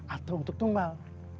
atau untuk tumbal